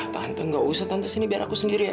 tante nggak usah tante sini biar aku sendiri aja